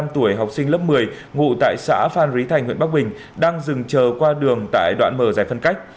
một mươi tuổi học sinh lớp một mươi ngụ tại xã phan rí thành huyện bắc bình đang dừng chờ qua đường tại đoạn mở giải phân cách